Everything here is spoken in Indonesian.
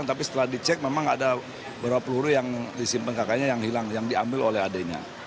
tapi setelah dicek memang ada beberapa peluru yang disimpan kakaknya yang hilang yang diambil oleh adiknya